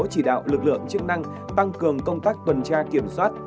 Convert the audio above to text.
chỉ đạo lực lượng chức năng tăng cường công tác tuần tra kiểm soát